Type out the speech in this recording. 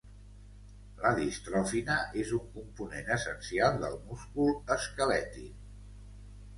La distrofina és un component essencial del múscul esquelètic.